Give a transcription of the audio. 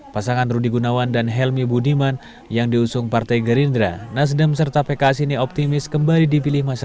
pasangan rudi gunawan dan helmi budiman yang diusung partai gerindra nasdem serta pks ini optimis kembali dipilih masyarakat